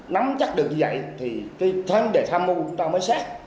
nắm chắc được như vậy thì thân đề tham mưu của chúng ta mới sát